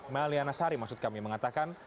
malianasari maksud kami mengatakan